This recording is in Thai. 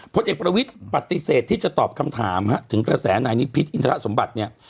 ผลเอกประวิทย์ปฏิเสธที่จะตอบคำถามถึงกระแสนายนิพิษอินทรสมบัติเนี่ย